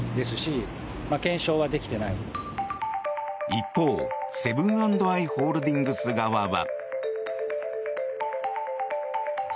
一方、セブン＆アイ・ホールディングス側は。